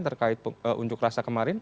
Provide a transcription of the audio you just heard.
terkait unjuk rasa kemarin